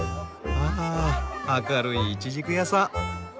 あ明るいイチジク屋さん！